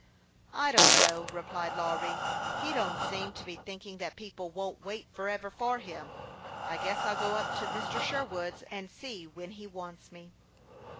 " I don't know," replied Lawry ;" he don't seem to be thinking that people won't wait forever for him. I guess I'll go up to Mr. Sherwood's, and see when he wants me."